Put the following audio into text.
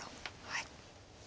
はい。